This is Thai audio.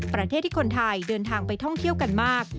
ประเทศไทยที่คนไทยเดินทางไปท่องเที่ยวกันมาก